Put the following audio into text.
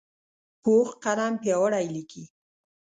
پوخ قلم پیاوړی لیکي